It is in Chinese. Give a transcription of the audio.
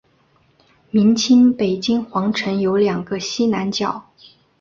明清北京皇城有两个西南角。